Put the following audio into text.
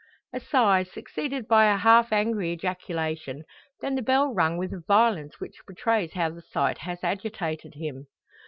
A sigh, succeeded by a half angry ejaculation; then the bell rung with a violence which betrays how the sight has agitated him.